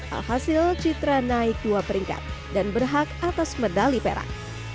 alhasil citra naik dua peringkat dan berhak atas medali perak